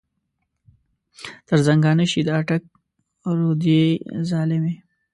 تر زنګانه شې د اټک رودې ظالمې.